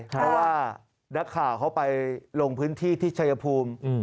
เพราะว่านักข่าวเขาไปลงพื้นที่ที่ชายภูมิ